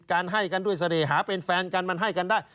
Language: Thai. ให้กันด้วยเสน่หาเป็นแฟนกันมันให้กันได้